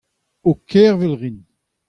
Ho kervel a rin.